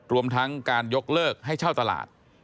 รวมทั้งการยกเลิกให้เช่าตลาด